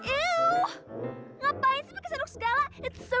iu ngapain sih kesenuk segala itu so